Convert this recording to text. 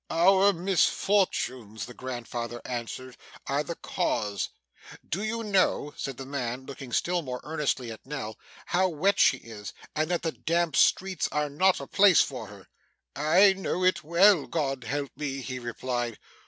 'Our misfortunes,' the grandfather answered, 'are the cause.' 'Do you know,' said the man, looking still more earnestly at Nell, 'how wet she is, and that the damp streets are not a place for her?' 'I know it well, God help me,' he replied.